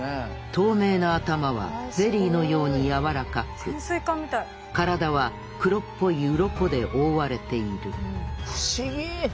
透明な頭はゼリーのように柔らかく体は黒っぽいウロコで覆われている不思議！